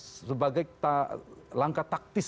sebagai langkah taktis